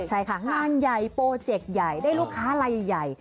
ใช่ค่ะงานใหญ่โปรเจกต์ใหญ่ได้ลูกค้าลายใหญ่